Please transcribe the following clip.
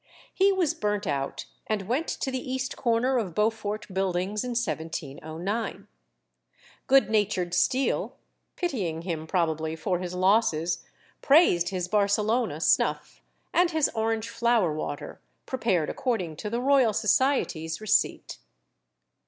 He was burnt out and went to the east corner of Beaufort Buildings in 1709. Good natured Steele, pitying him probably for his losses, praised his Barcelona snuff, and his orange flower water prepared according to the Royal Society's receipt.